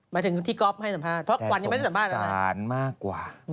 แต่สงสารมากกว่า